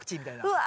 うわ。